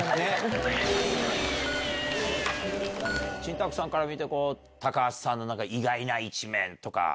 新宅さんから見て高橋さんの意外な一面とか。